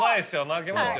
負けますよ。